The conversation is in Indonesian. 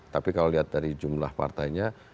tapi kalau lihat dari jumlah partainya